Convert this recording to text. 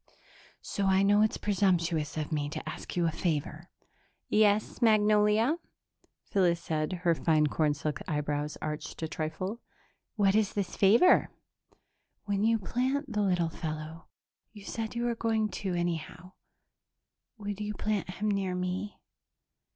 "So I know it's presumptuous of me to ask you a favor." "Yes, Magnolia?" Phyllis said, her fine cornsilk eyebrows arched a trifle. "What is this favor?" "When you plant the little fellow you said you were going to, anyhow would you plant him near me?"